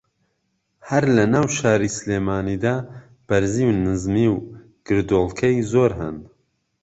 ھەر لە ناو شاری سلێمانی دا بەرزی و نزمی و گردۆڵکەی زۆر ھەن